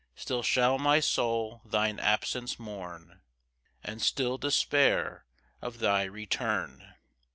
Still shall my soul thine absence mourn? And still despair of thy return?